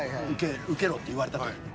受けろって言われた時に。